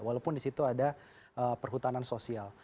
walaupun di situ ada perhutanan sosial